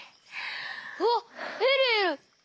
あっえるえる！